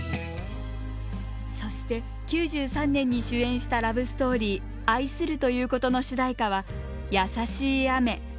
そして９３年に主演したラブストーリー「愛するということ」の主題歌は「優しい雨」。